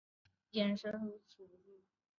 眼神如此无助